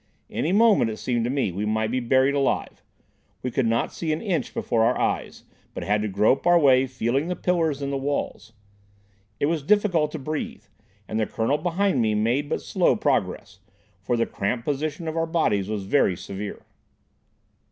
Any moment, it seemed to me, we might be buried alive. We could not see an inch before our eyes, but had to grope our way feeling the pillars and the walls. It was difficult to breathe, and the Colonel behind me made but slow progress, for the cramped position of our bodies was very severe.